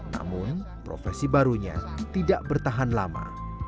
namun profesi barunya tidak bertahan lama